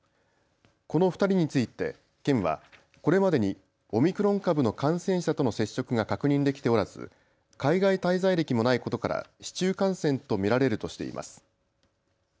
この２人について県はこれまでにオミクロン株の感染者との接触が確認できておらず海外滞在歴もないことから市中感染と見られるとしています。